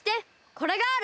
これがある。